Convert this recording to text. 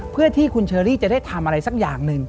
เพื่อที่คุณเชอรี่จะได้ทำอะไรสักอย่างหนึ่ง